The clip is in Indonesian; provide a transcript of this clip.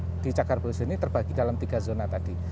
pembangunan di cagar biosir ini terbagi dalam tiga zona tadi